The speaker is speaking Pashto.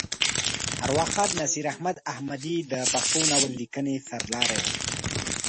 ارواښاد نصیر احمد احمدي د پښتو ناول لیکنې سر لاری وه.